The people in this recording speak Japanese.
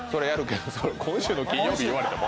今週の金曜日言われても。